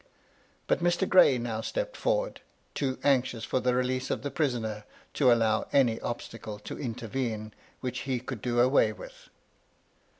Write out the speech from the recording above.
But Mr. Gray now stepped forward, too anxious for the release of the prisoner to allow any obstacle to intervene which he could do away with.